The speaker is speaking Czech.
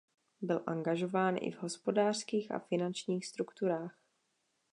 Byl angažován i v hospodářských a finančních strukturách.